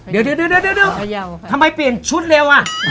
เดี๋ยวทำไมเปลี่ยนชุดเร็วอ่ะ